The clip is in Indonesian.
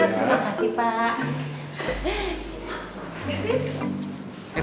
terima kasih banyak